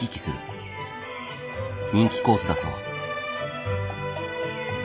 人気コースだそう。